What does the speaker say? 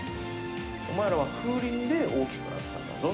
お前らは風鈴で大きくなったんだぞ。